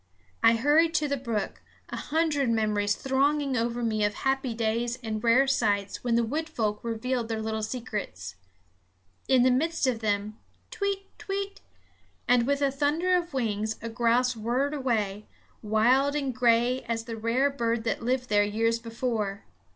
I hurried to the brook, a hundred memories thronging over me of happy days and rare sights when the wood folk revealed their little secrets. In the midst of them kwit! kwit! and with a thunder of wings a grouse whirred away, wild and gray as the rare bird that lived there years before.